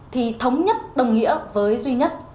thì thống nhất đồng nghĩa với duy nhất